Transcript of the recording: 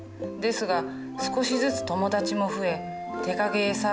ですが少しずつ友達も増え手影絵